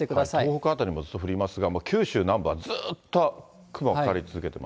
東北辺りもずっと降りますが、九州南部はずっと雲かかり続けて